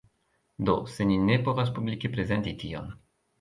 Do, se ni ne povas publike prezenti tion